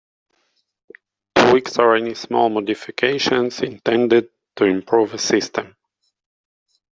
Tweaks are any small modifications intended to improve a system.